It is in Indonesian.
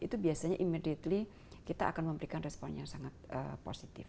itu biasanya immediately kita akan memberikan respon yang sangat positif